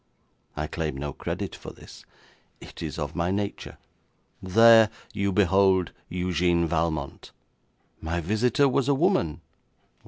I claim no credit for this; it is of my nature. There you behold Eugène Valmont. My visitor was a woman.